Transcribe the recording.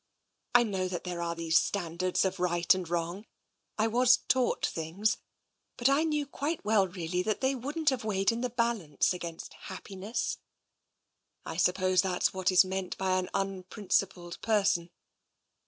I know that there are these standards of right and wrong. I was taught things — but I know quite well really that they wouldn't have weighed in the balance against happiness. I suppose that's what is meant by an unprincipled person.